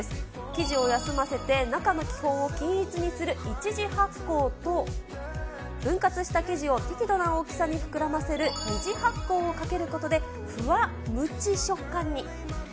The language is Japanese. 生地を休ませて中の気泡を均一にする一次発酵と、分割した生地を適度な大きさに膨らませる二次発酵をかけることで、ふわむち食感に。